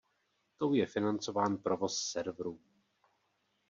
Tou je financován provoz serverů.